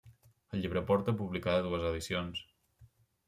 El llibre porta publicada dues edicions.